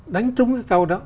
đánh trúng cái câu đó